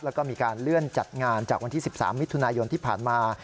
แล้วก็มีการเลื่อนจัดงานจากวันที่๑๓มิถุนายนที่ผ่านมา